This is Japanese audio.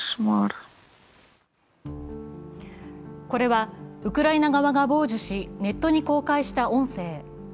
これはウクライナ側が傍受し、ネットに公開した音声。